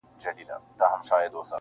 اشنا مي پاته په وطن سو!!